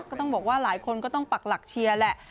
ก็ต้องบอกว่าหลายคนก็ต้องปักหลักเชียร์แหละ